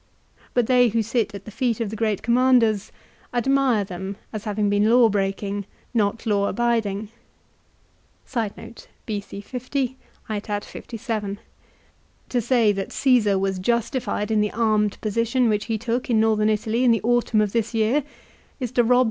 But they who sit at the feet of the great commanders admire them as having been law breaking, not law abiding. To say that Caesar was justified in the armed position which he took in B c 50 Northern Italy in the autumn of this year is to rob aetat.